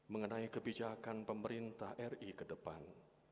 mengenai kebijakan pemerintah ri ke depan